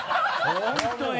本当に！